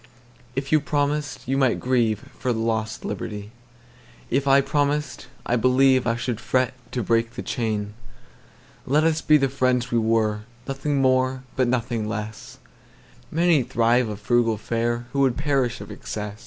If you promised, you might grieveFor lost liberty again:If I promised, I believeI should fret to break the chain. Let us be the friends we were, Nothing more but nothing less:Many thrive on frugal fareWho would perish of excess.